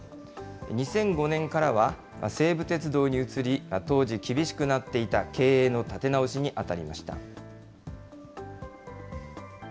２００５年からは、西武鉄道に移り、当時、厳しくなっていた経営の立て直しに当たりました。